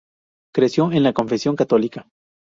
Creció en la confesión católica.